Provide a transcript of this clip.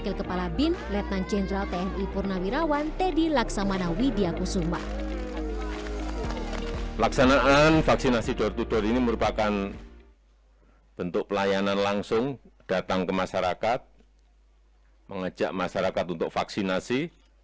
kita ingin bentuk pelayanan langsung datang ke masyarakat mengejak masyarakat untuk vaksinasi